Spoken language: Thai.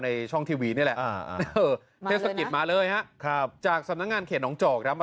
ในช่องทีวีนี่แหละ